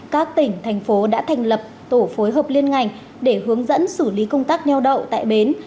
các tỉnh thành phố đã thành lập tổ phối hợp liên ngành để hướng dẫn xử lý công tác nheo đậu tại bến